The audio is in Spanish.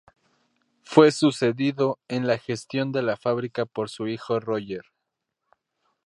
Fue sucedido en la gestión de la fábrica por su hijo Roger.